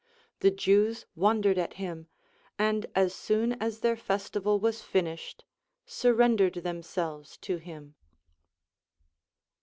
The Jews won dered at him, and as soon as their festival was finished, surrendered themselves to him.